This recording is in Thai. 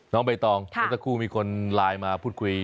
น้องใบตองเมื่อสักครู่มีคนไลน์มาพูดคุย